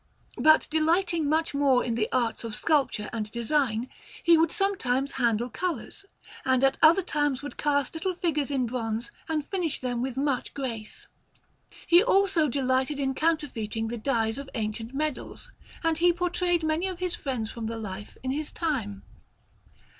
But delighting much more in the arts of sculpture and design, he would sometimes handle colours, and at other times would cast little figures in bronze and finish them with much grace. He also delighted in counterfeiting the dies of ancient medals, and he portrayed many of his friends from the life in his time.